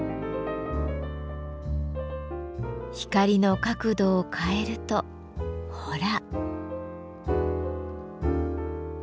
光の角度を変えるとほら。